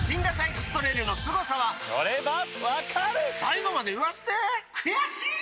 エクストレイルのすごさは最後まで言わせて悔しい！